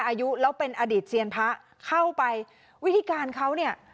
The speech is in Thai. อายุแล้วเป็นอดีตเซียนพระเข้าไปวิธีการเขาเนี่ย